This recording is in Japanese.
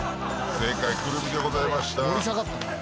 正解『くるみ』でございます。